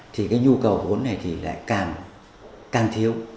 thì nhu cầu vốn này thì lại càng thiếu